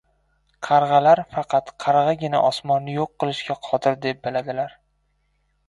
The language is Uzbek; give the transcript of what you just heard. Qarg‘alar faqat qarg‘agina osmonni yo‘q qilishga qodir deb biladilar.